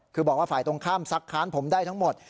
คือบอกว่าฝ่ายตรงข้ามซักค้านผมได้ทั้งหมด